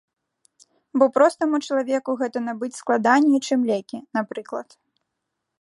Бо простаму чалавеку гэта набыць складаней, чым лекі, напрыклад.